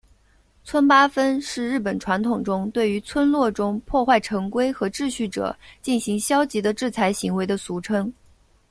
村八分是日本传统中对于村落中破坏成规和秩序者进行消极的制裁行为的俗称。